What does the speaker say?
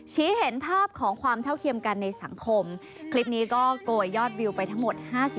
เห็นภาพของความเท่าเทียมกันในสังคมคลิปนี้ก็โกยยอดวิวไปทั้งหมด๕๐